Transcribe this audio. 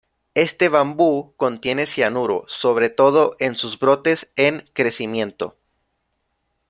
Este bambú contiene cianuro, sobre todo en sus brotes en crecimiento.